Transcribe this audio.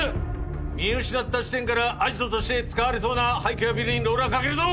見失った地点からアジトとして使われそうな廃虚やビルにローラーかけるぞ！